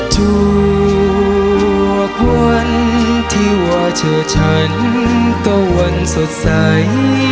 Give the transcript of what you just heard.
ทุกวันวันที่ว่าเจอฉันตะวันสดใส